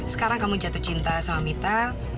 sekarang kamu jatuh cinta sama mita